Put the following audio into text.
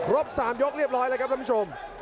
๓ยกเรียบร้อยแล้วครับท่านผู้ชม